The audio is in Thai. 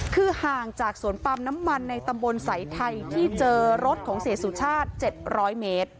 คือห่างจากสวนปั๊มน้ำมันในตำบลสายไทยที่เจอรถของเสียสุชาติ๗๐๐เมตร